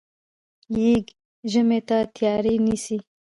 يږ ژمي ته تیاری نیسي.